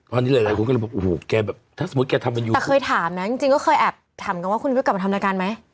วันนี้เลยคุณก็คงบอกโอ้โหแบบถ้าสมมติแกทำมาอยู่แต่เคยถามนะจริงก็เคยแอบถามกันว่าคุณวิวกลับมาทำรายการไหม